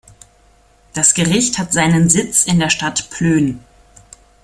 Das Gericht hat seinen Sitz in der Stadt Plön.